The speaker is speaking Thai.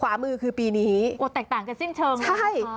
ขวามือคือปีนี้โอ้แตกต่างกันสิ้นเชิงใช่